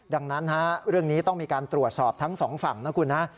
ดังนั้นเรื่องนี้ต้องมีการตรวจสอบทั้งสองฝั่งนะคุณนะ